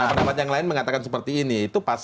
pendapat yang lain mengatakan seperti ini